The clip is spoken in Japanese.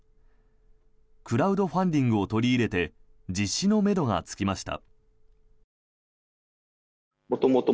クラウドファンディングを取り入れて実施のめどがつきました。